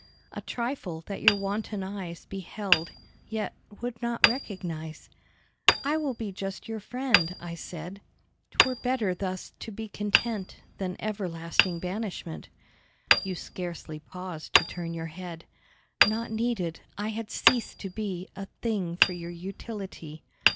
A trifle, that your wanton eyes Beheld, yet would not recognise. "I will be just your friend," I said, "'Twere better thus to be content Than everlasting banishment." You scarcely paused to turn your head. Not needed, I had ceased to be A thing for your utility!